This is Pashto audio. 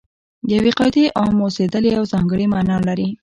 د یوې قاعدې عام اوسېدل یوه ځانګړې معنا لري.